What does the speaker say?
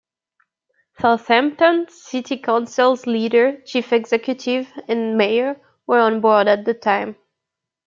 Southampton City Council's leader, chief executive, and mayor were on board at the time.